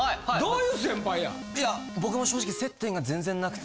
いや僕も正直接点が全然なくて。